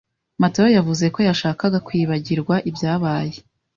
Matayo yavuze ko yashakaga kwibagirwa ibyabaye.